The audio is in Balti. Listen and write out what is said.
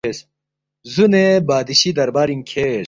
زُونے بادشی دربارِنگ کھیرس